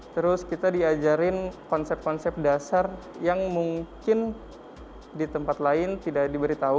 terus kita diajarin konsep konsep dasar yang mungkin di tempat lain tidak diberitahu